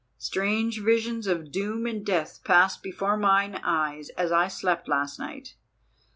Strange visions of doom and death passed before mine eyes as I slept last night.